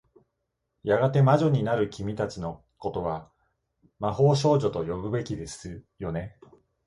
やがて魔女になる君たちの事は、魔法少女と呼ぶべきだよね。